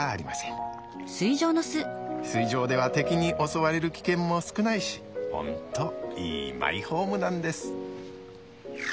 水上では敵に襲われる危険も少ないしホントいいマイホームなんです。